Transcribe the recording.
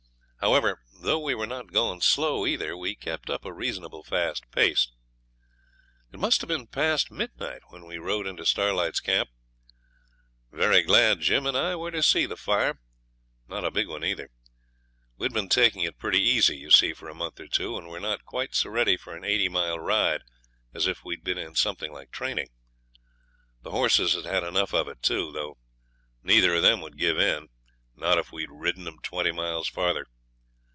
However, though we were not going slow either, but kept up a reasonable fast pace, it must have been past midnight when we rode into Starlight's camp; very glad Jim and I were to see the fire not a big one either. We had been taking it pretty easy, you see, for a month or two, and were not quite so ready for an eighty mile ride as if we had been in something like training. The horses had had enough of it, too, though neither of them would give in, not if we'd ridden 'em twenty mile farther.